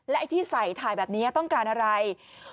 ไอ้ที่ใส่ถ่ายแบบนี้ต้องการอะไร